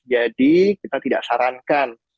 jadi kita tidak sarankan